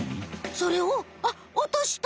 それをあっ落とした！